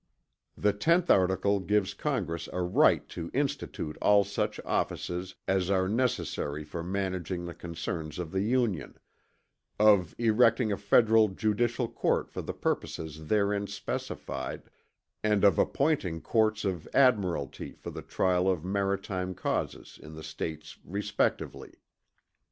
"The 10th article gives Congress a right to institute all such offices as are necessary for managing the concerns of the Union; of erecting a federal judicial court for the purposes therein specified; and of appointing courts of Admiralty for the trial of maritime causes in the States respectively.